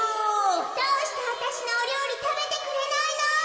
「どうしてわたしのおりょうりたべてくれないの？」。